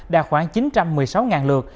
đã khoảng chín trăm một mươi sáu lượt